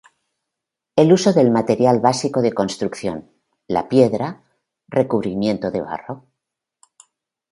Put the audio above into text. El uso del material básico de construcción: la piedra, recubrimiento de barro.